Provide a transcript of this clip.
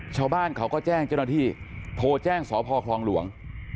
ชาวบ้านเขาก็แจ้งเจ้าหน้าที่โทรแจ้งสพคลองหลวง